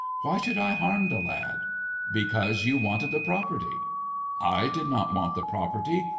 Why should I harm the lad 1 "" Because you wanted the property." "I did not want the property.